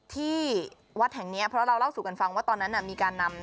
ที่วัดแห่งนี้เพราะเราเล่าสู่กันฟังว่าตอนนั้นมีการนำ